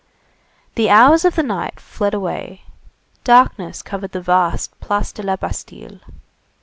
The hours of the night fled away. Darkness covered the vast Place de la Bastille.